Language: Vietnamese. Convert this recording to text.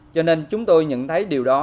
cho nên chúng tôi nhận thấy điều đó